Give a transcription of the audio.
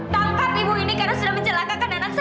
tangkap ibu ini karena sudah mencelakakan anak saya